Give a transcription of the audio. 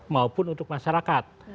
maupun untuk masyarakat